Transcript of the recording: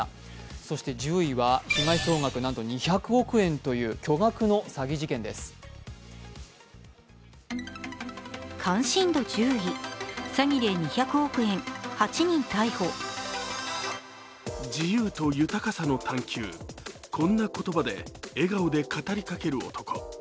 そして１０位は被害総額、なんと２００億円という巨額の詐欺事件です自由と豊かさの探究、こんな言葉で笑顔で語りかける男。